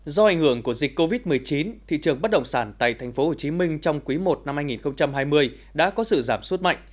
do ảnh hưởng của dịch covid một mươi chín thị trường bất động sản tại tp hcm trong quý i năm hai nghìn hai mươi đã có sự giảm suốt mạnh